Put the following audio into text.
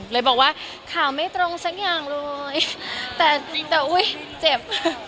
เลยบอกว่าข่าวไม่ตรงทุกอย่างโรยแต่อุ๊ยเจ็บ